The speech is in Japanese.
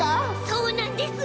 そうなんです。